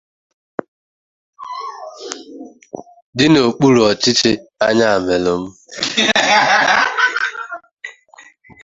dị n'okpuru ọchịchị Ayamelụm